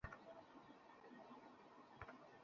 কী নাম তার?